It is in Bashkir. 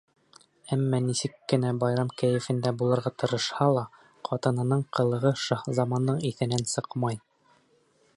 Әммә нисек кенә байрам кәйефендә булырға тырышһа ла, ҡатынының ҡылығы Шаһзамандың иҫенән сыҡмай.